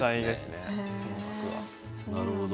なるほど。